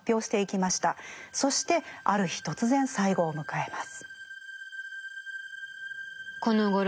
そしてある日突然最期を迎えます。